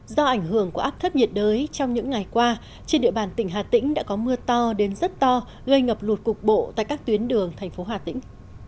do ảnh hưởng của áp thấp nhiệt đới trong những ngày qua trên địa bàn tỉnh hà tĩnh đã có mưa to đến rất to gây ngập lụt cục bộ tại các tuyến đường thành phố hà tĩnh